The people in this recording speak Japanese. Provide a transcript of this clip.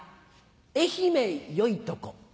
「愛媛よいとこ」。